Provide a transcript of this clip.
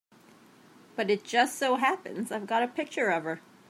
But it just so happens I've got a picture of her.